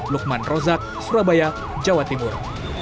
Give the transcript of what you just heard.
lukman rozak surabaya jawa timur